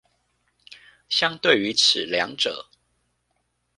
相對於此二者